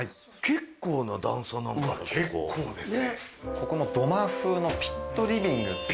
ここ土間風のピットリビング。